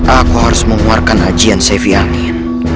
aku harus mengeluarkan ajian seviangin